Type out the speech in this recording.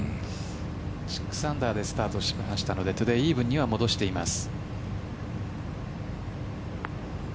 ６アンダーでスタートしましたのでトゥデーイーブンには戻しています。